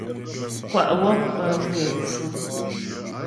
Kwa' wɔ' pə kɛ pfʉ.